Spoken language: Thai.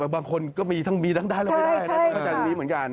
บางคนก็มีทั้งมีทั้งได้แล้วไม่ได้คือแบบนี้เหมือนกัน